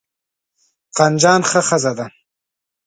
قندجان ښه ښځه ده.